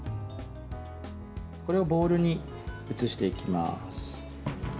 これをボウルに移していきます。